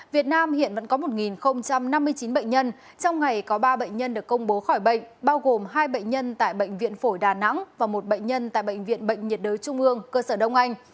việt nam hiện vẫn có một năm mươi chín bệnh nhân trong ngày có ba bệnh nhân được công bố khỏi bệnh bao gồm hai bệnh nhân tại bệnh viện phổi đà nẵng và một bệnh nhân tại bệnh viện bệnh nhiệt đới trung ương cơ sở đông anh